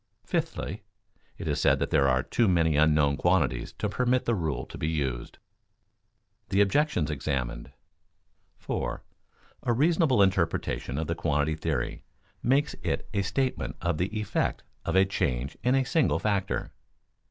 Fifthly, it is said that there are too many unknown quantities to permit the rule to be used. [Sidenote: The objections examined] 4. _A reasonable interpretation of the quantity theory makes it a statement of the effect of a change in a single factor.